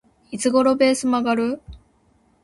いつ頃ベース曲がる？